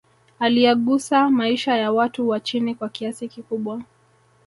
Aliyagusa maisha ya watu wa chini kwa kiasi kikubwa